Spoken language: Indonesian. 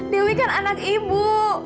dewi kan anak ibu